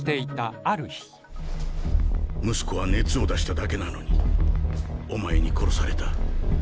息子は熱を出しただけなのにお前に殺された。